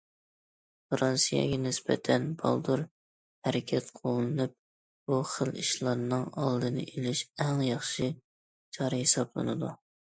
فىرانسىيەگە نىسبەتەن، بالدۇر ھەرىكەت قوللىنىپ بۇ خىل ئىشلارنىڭ ئالدىنى ئېلىش ئەڭ ياخشى چارە ھېسابلىنىدۇ.